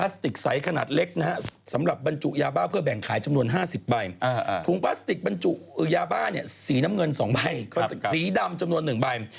สีน้ำเงินสองใบสีดำจำนวนหนึ่งใบ